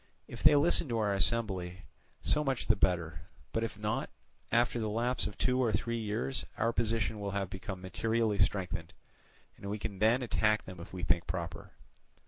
If they listen to our embassy, so much the better; but if not, after the lapse of two or three years our position will have become materially strengthened, and we can then attack them if we think proper.